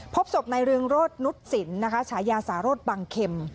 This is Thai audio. พบศพในเรืองโรธนุษศิลป์นะคะฉายาสารสบังเข็ม